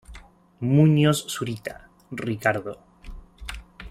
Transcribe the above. Muñoz Zurita, Ricardo.